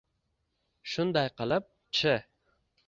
Shunday qilib, Ch